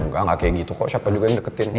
enggak gak kayak gitu kok siapa juga yang deketin